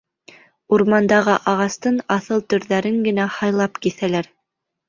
Урмандағы ағастың аҫыл төрҙәрен генә һайлап киҫәләр.